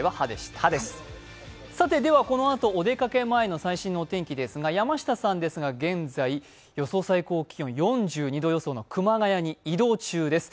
このあとお出かけ前の最新のお天気ですが、山下さんは現在、予想最高気温４２度予想の熊谷に移動中です。